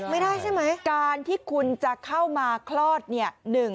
ไม่ได้ใช่ไหมการที่คุณจะเข้ามาคลอดเนี่ย